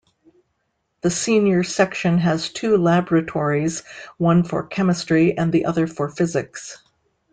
The senior section has two laboratories one for chemistry and the other for physics.